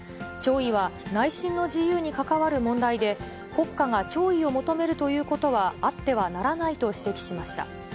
弔意は内心の自由に関わる問題で、国家が弔意を求めるということは、あってはならないと指摘しました。